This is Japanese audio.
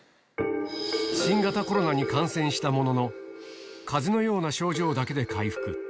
新型コロナに感染したものの、かぜのような症状だけで回復。